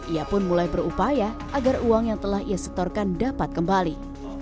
ia pun mulai berupaya agar uang yang telah ia setorkan dapat kembali